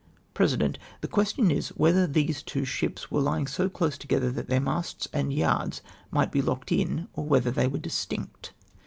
President. —" The question is, whether these two ships were lying so close together that their masts and yards might Le locked in, or whether they were distinct